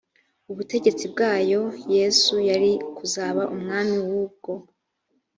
ubutegetsi bwayo yesu yari kuzaba umwami w ubwo